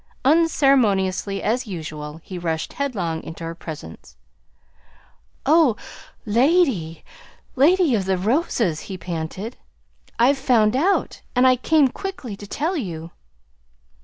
Unceremoniously, as usual, he rushed headlong into her presence. "Oh, Lady Lady of the Roses," he panted. "I've found out, and I came quickly to tell you."